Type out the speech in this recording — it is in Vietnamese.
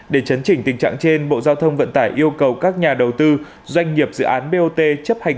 để chấn chỉnh tình trạng trên bộ giao thông vận tải yêu cầu các nhà đầu tư doanh nghiệp dự án bot chấp hành